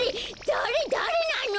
だれだれなの！？